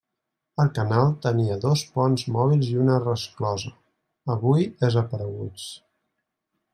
El canal tenia dos ponts mòbils i una resclosa, avui desapareguts.